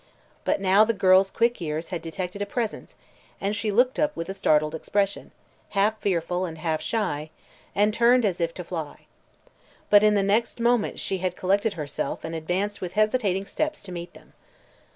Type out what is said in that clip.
But now the girl's quick ears had detected presence, and she looked up with a startled expression, half fearful and half shy, and turned as if to fly. But in the next moment she had collected herself and advanced with hesitating steps to meet them.